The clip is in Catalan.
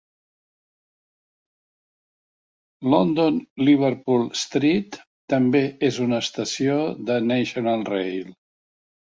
London Liverpool Street també és una estació de National Rail.